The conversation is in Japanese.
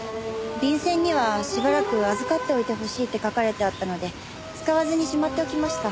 便箋には「しばらく預かっておいてほしい」って書かれてあったので使わずにしまっておきました。